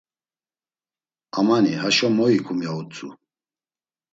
Amani haşo mo ikum, ya utzu.